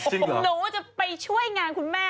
หนูจะไปช่วยงานคุณแม่